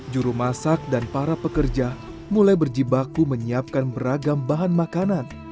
juru masak dan para pekerja mulai berjibaku menyiapkan beragam bahan makanan